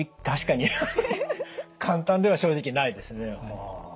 確かに簡単では正直ないですね。